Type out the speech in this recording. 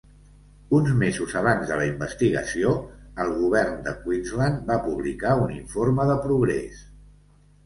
Uns mesos abans de la investigació, el govern de Queensland va publicar un informe de progrés.